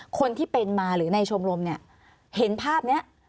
คนที่เป็นมาหรือในชมรมเนี่ยเห็นภาพนี้